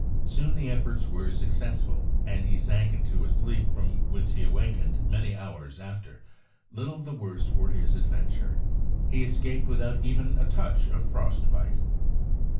Soon the efforts were successful, and he sank into a sleep from which he awakened, many hours after, little the worse for his adventure. He escaped without even a touch of frost bite.